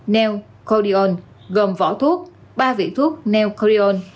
neocordion gồm vỏ thuốc ba vị thuốc neocordion